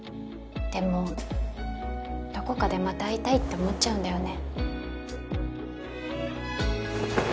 でもどこかでまた会いたいって思っちゃうんだよね。